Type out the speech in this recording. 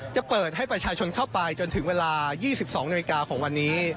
จะเปิดให้ประชาชนเข้าไปจนถึงเวลา๒๒นาฬิกาของวันนี้